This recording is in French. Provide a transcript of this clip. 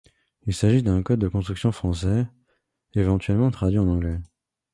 Il s'agit d'un code de construction français, éventuellement traduit en anglais.